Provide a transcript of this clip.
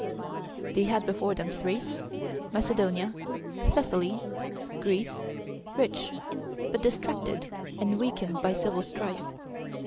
They had before them Thrace, Macedonia, Thessaly, Greece, rich, but distracted and weakened by civil strife.